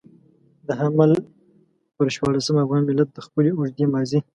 د حمل پر شپاړلسمه افغان ملت د خپلې اوږدې ماضي.